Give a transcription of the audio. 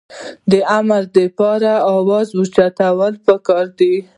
د امن دپاره اواز اوچتول پکار دي